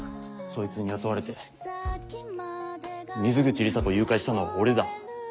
そいつに雇われて水口里紗子を誘拐したのは俺だ。